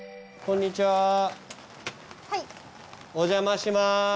こんにちはお邪魔します。